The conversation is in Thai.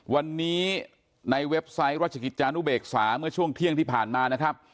วันนี้ในเว็บไซต์ราชกิจจานุเบกษาเมื่อช่วงเที่ยงที่ผ่านมานะครับ